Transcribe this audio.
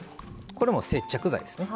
これも接着剤ですね。